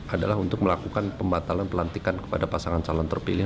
adalah untuk melakukan pembatalan pelantikan kepada pasangan calon terpilih